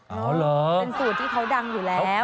เป็นสูตรที่เขาดังอยู่แล้ว